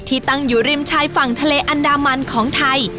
ตั้งอยู่ริมชายฝั่งทะเลอันดามันของไทย